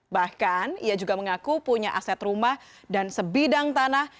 bahkan ia juga mengaku punya aset rumah dan sebidang tanah